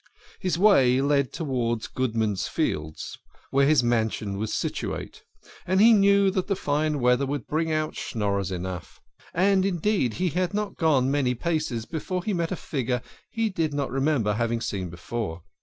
His way led towards Goodman's Fields, where his mansion was situate, and he knew that the fine weather would bring out Schnorrers enough. And, indeed, he had not gone many paces before he met a figure he did not remember having seen before.